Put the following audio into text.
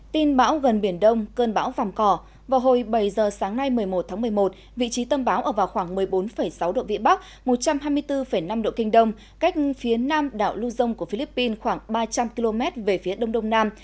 tin bão gần biển đông cơn bão vàm cỏ vào hồi bảy giờ sáng nay một mươi một tháng một mươi một vị trí tâm bão ở vào khoảng một mươi bốn sáu độ vĩ bắc một trăm hai mươi bốn năm độ kinh đông cách phía nam đảo lưu dông của philippines khoảng ba trăm linh km về phía đông đông nam